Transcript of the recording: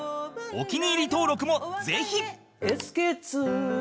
お気に入り登録もぜひ！